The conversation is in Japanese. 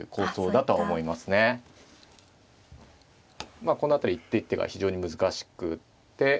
まあこの辺り一手一手が非常に難しくって。